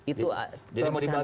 itu perpecahan kita